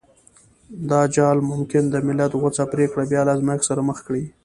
دا جال ممکن د ملت غوڅه پرېکړه بيا له ازمایښت سره مخ کړي.